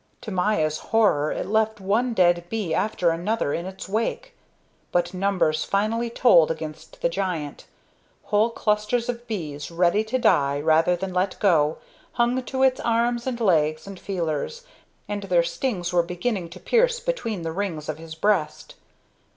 To Maya's horror it left one dead bee after another in its wake. But numbers finally told against the giant: whole clusters of bees, ready to die rather than let go, hung to his arms and legs and feelers, and their stings were beginning to pierce between the rings of his breast.